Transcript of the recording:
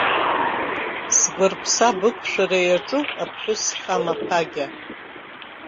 Сгәарԥса бықәшәара иаҿуп аԥҳәыс хамаԥагьа.